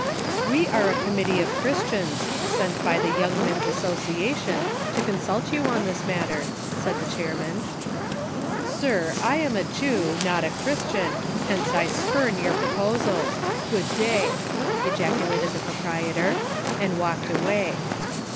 " We are a committee of Christians, sent by the Young Men's Association, to consult you on this matter," said the chairman. "Sir, I am a Jew, not a Christian, hence I spurn your proposals! Good day," ejaculated the proprietor, and walked away.